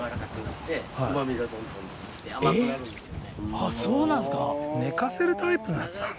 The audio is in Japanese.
あっそうなんですか。